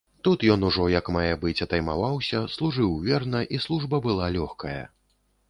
Тут ён ужо як мае быць атаймаваўся, служыў верна, і служба была лёгкая.